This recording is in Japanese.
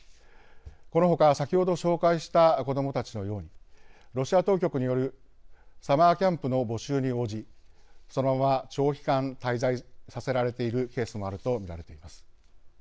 この他、先ほど紹介した子どもたちのようにロシア当局によるサマーキャンプの募集に応じそのまま長期間滞在させられているケースもあると見られています。